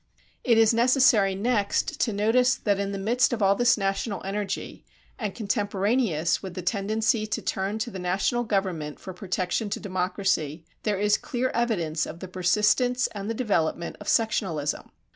It is necessary next to notice that in the midst of all this national energy, and contemporaneous with the tendency to turn to the national government for protection to democracy, there is clear evidence of the persistence and the development of sectionalism.